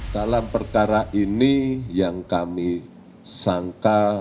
dalam perkara ini yang kami sangka